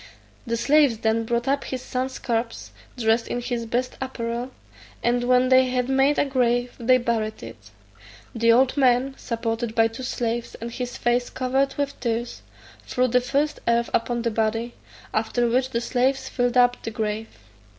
The slaves then brought up his son's corpse, dressed in his best apparel, and when they had made a grave they buried it. The old man, supported by two slaves, and his face covered with tears, threw the first earth upon the body, after which the slaves filled up the grave.